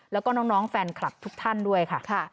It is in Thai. แล้วก็น้องแฟนคลับทุกท่านด้วยค่ะ